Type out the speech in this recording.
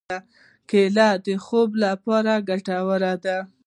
کېله د خوب لپاره ګټوره ده.